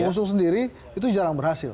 mengusung sendiri itu jarang berhasil